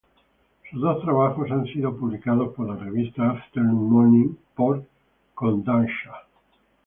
Sus dos trabajos han sido publicados por la revista Afternoon morning por Kōdansha.